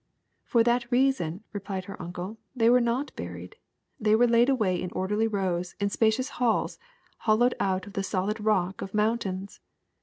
^^For that reason,'' replied her uncle, ^Hhey were not buried; they were laid away in orderly rows in spacious halls hollowed out of the solid rock of moun tains.